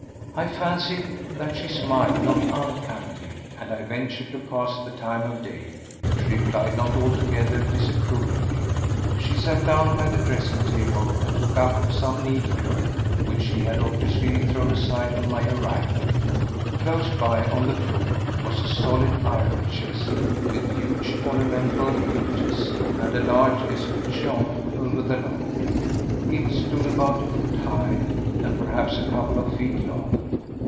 I fancied that she smiled, not unkindly, and I ventured to pass the time of day. She replied not altogether disapprovingly. She sat down by the dressing table and took up some needlework which she had obviously thrown aside on my arrival. Close by, on the floor, was a solid iron chest with huge ornamental hinges and a large escutcheon over the lock. It stood about a foot high and perhaps a couple of feet long.